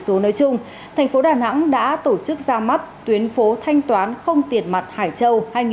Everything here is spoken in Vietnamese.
số nói chung thành phố đà nẵng đã tổ chức ra mắt tuyến phố thanh toán không tiền mặt hải châu hai nghìn hai mươi